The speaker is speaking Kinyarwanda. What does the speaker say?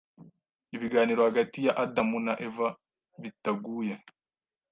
ibiganiro hagati ya Adamu na Eva bitaguye,